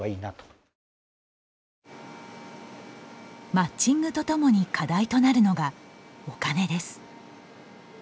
マッチングとともに課題となるのが、お金です。